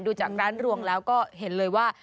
ดูจากร้านรวงแล้วก็เห็นเลยว่า